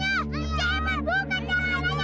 aku udah dari tadi